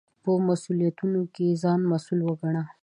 په مسوولیتونو کې ځان مسوول وګڼئ.